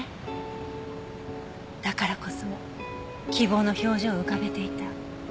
だからこそ希望の表情を浮かべていた。